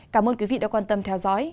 cảm ơn quý vị đã quan tâm theo dõi